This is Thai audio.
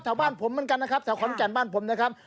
บ้านผมเหมือนกันนะครับแถวขอนแก่นบ้านผมนะครับ